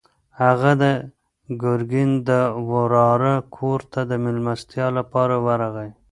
هغه د ګرګین د وراره کور ته د مېلمستیا لپاره ورغی.